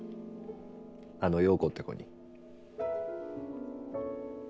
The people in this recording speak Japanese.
あの葉子って子に。